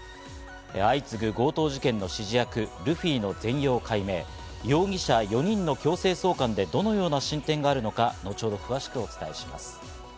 相次ぐ強盗事件の指示役・ルフィの全容解明、容疑者４人の強制送還でどのような進展があるのか後ほど詳しくお伝えします。